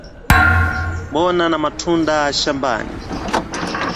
mboga na matunda shambani